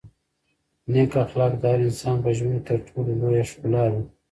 نېک اخلاق د هر انسان په ژوند کې تر ټولو لویه ښکلا ده.